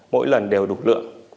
mỗi lần đều đủ lượng